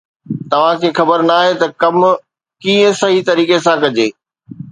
توهان کي خبر ناهي ته ڪم ڪيئن صحيح طريقي سان ڪجي